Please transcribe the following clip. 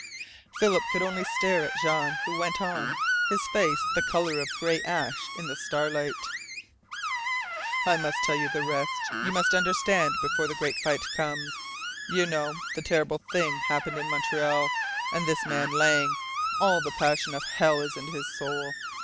Philip could only stare at Jean, who went on, his face the colour of gray ash in the starlight. "I must tell you the rest. You must understand before the great fight comes. You know the terrible thing happened in Montreal. And this man Lang all the passion of hell is in his soul!